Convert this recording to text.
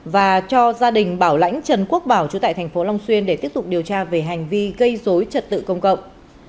và cho gia đình bảo lãnh trần quốc bảo chú tại tp long xuyên để tiếp tục điều tra về hành vi gây dối trật tự công cộng